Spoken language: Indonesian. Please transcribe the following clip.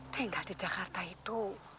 tinggal di jakarta itu